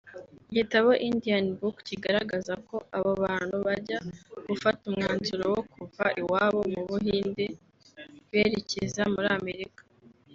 Igitabo IndianBook kigaragaza ko abo bantu bajya gufata umwanzuro wo kuva iwabo mu Buhinde berekeza muri Amerika